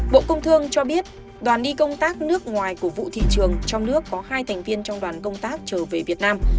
bộ công thương cho biết đoàn đi công tác nước ngoài của vụ thị trường trong nước có hai thành viên trong đoàn công tác trở về việt nam